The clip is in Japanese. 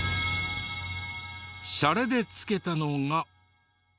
シャレでつけたのが。